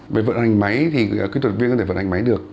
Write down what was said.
về vận hành máy thì kỹ thuật viên có thể vận hành máy được